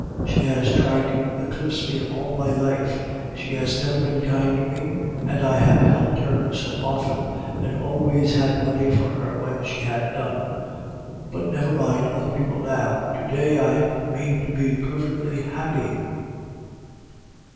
She has tried to eclipse me all her life, she has never been kind to me, and I have helped her so often, and always had money for her when she had none. But never mind other people now, to day I mean to be perfectly happy."